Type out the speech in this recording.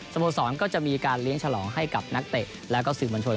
โมสรก็จะมีการเลี้ยงฉลองให้กับนักเตะแล้วก็สื่อมวลชน